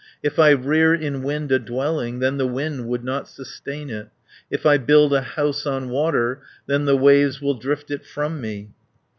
"If I rear in wind a dwelling, Then the wind would not sustain it; 40 If I build a house on water, Then the waves will drift it from me."